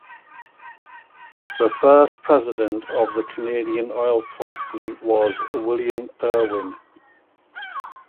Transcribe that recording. The first president of the Canadian Oil Company was William Irwin.